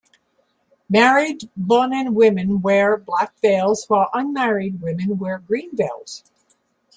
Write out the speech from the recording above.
Married Bonan women wear black veils, while unmarried women wear green veils.